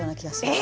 え！